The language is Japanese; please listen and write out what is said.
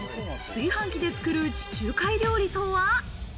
炊飯器で作る地中海料理とは？